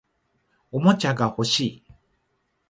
おもちゃが欲しい